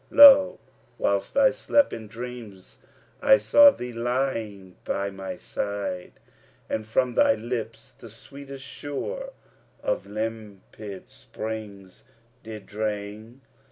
Lo, whilst I slept, in dreams I saw thee lying by my side And, from thy lips the sweetest, sure, of limpid springs did drain.